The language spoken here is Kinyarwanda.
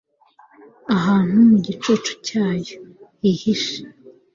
Ahantu mu gicucu cyayo hihishe